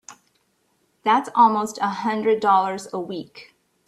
That's almost a hundred dollars a week!